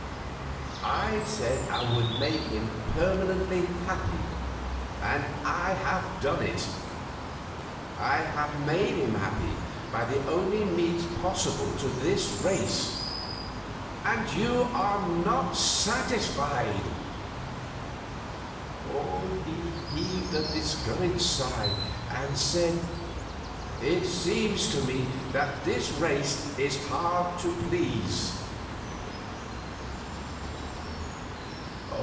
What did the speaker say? I said I would make him permanently happy, and I have done it. I have made him happy by the only means possible to his race and you are not satisfied!" He heaved a discouraged sigh, and said, "It seems to me that this race is hard to please."